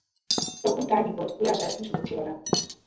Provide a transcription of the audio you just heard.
তখন আর তার নিকট ফিরে আসার কোন সুযোগ ছিল না।